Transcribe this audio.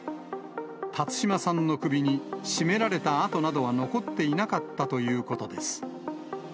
辰島さんの首に絞められた痕などは残っていなかったということです。